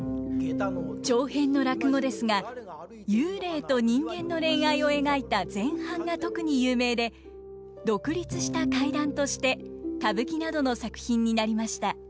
長編の落語ですが幽霊と人間の恋愛を描いた前半が特に有名で独立した怪談として歌舞伎などの作品になりました。